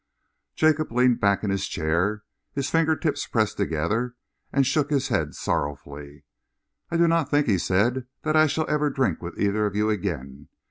Jacob leaned back in his chair, his finger tips pressed together, and shook his head sorrowfully. "I do not think," he said, "that I shall ever drink with either of you again.